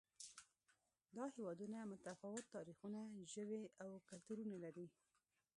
دا هېوادونه متفاوت تاریخونه، ژبې او کلتورونه لري.